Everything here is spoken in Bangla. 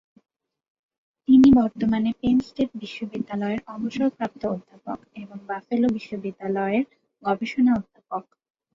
তিনি বর্তমানে পেন স্টেট বিশ্ববিদ্যালয়-এর অবসরপ্রাপ্ত অধ্যাপক এবং বাফেলো বিশ্ববিদ্যালয়-এর গবেষণা অধ্যাপক।